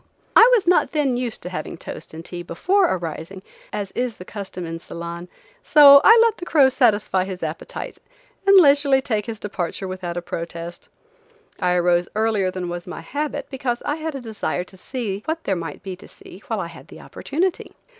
I was not then used to having toast and tea before arising, as is the custom in Ceylon, so I let the crow satisfy his appetite and leisurely take his departure without a protest. I arose earlier than was my habit, because I had a desire to see what there might be to see while I had the opportunity.